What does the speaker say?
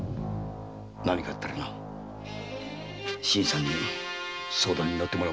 何かあったらな新さんに相談にのってもらうんだ。